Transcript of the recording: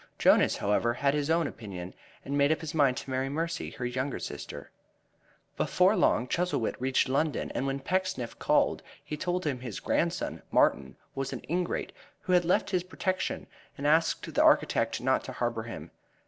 Jonas, however, had his own opinion, and made up his mind to marry Mercy, her younger sister. Before long old Chuzzlewit reached London, and when Pecksniff called he told him his grandson, Martin, was an ingrate, who had left his protection, and asked the architect not to harbor him.